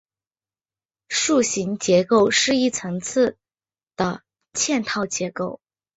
树形结构是一层次的嵌套结构。